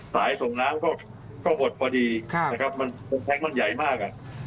สายส่งน้ำก็หมดพอดีแต่คักมันใหญ่มาก